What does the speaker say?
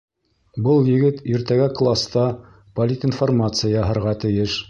— Был егет иртәгә класта политинформация яһарға тейеш.